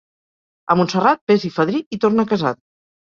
A Montserrat, ves-hi fadrí i torna casat.